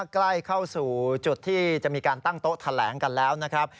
ใกล้เข้าสู่จุดที่จะมีการตั้งโต๊ะแถลงกันแล้วนะครับ